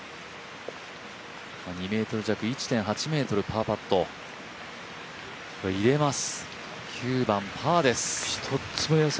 ２ｍ弱、１．８ｍパーパット入れます。